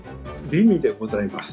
美味でございます。